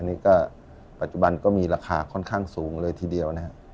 นี่ก็ปัจจุบันก็มีราคาค่อนข้างสูงเลยทีเดียวนะครับ